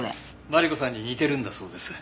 マリコさんに似てるんだそうです。